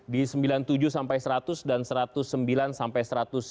di sembilan puluh tujuh sampai seratus dan satu ratus sembilan sampai satu ratus tujuh puluh